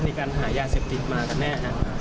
มีการหายาเสพติดมากันแน่